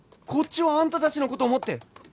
こっちはあんたたちのこと思って